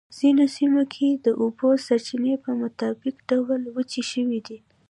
ځینو سیمو کې د اوبو سرچېنې په مطلق ډول وچې شوی دي.